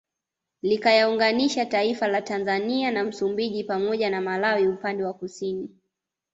Likiyaunganisha taifa la Tanzania na Msumbiji pamoja na Malawi upande wa Kusini